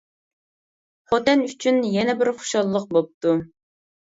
خوتەن ئۈچۈن يەنە بىر خۇشاللىق بوپتۇ.